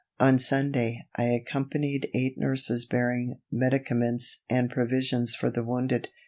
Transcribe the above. On Sunday I accompanied eight Sisters bearing medicaments and provisions for the wounded.